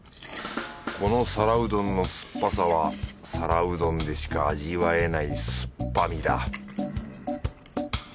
この皿うどんの酸っぱさは皿うどんでしか味わえない酸っぱみだ